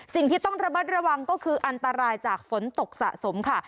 สิ่งที่ต้องระมัดระวังก็คืออันตรายจากฝนตกสะสมค่ะ